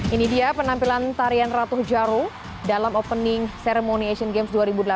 ini dia penampilan tarian ratu jarum dalam opening ceremony asian games dua ribu delapan belas